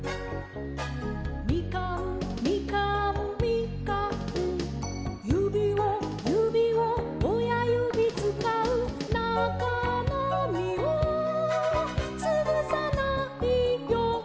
「みかんみかんみかん」「ゆびをゆびをおやゆびつかう」「なかのみをつぶさないように」